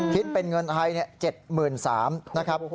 คิดเป็นเงินไทย๗หมื่น๓นะครับ